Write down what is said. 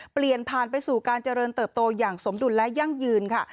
เปลี่ยนผ่านไปสู่การเจริญเติบโตอย่างสมดุลและยั่งยืนค่ะ